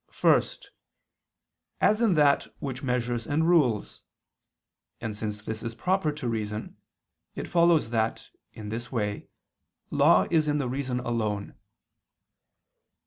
First, as in that which measures and rules: and since this is proper to reason, it follows that, in this way, law is in the reason alone.